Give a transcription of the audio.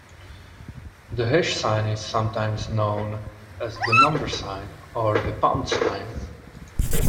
The hash sign is sometimes known as the number sign or the pound sign